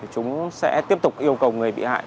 chúng sẽ tiếp tục yêu cầu người bị hại